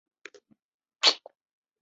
主要经营保安数据探测业务。